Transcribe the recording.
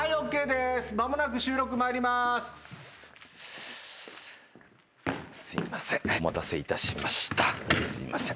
すいません。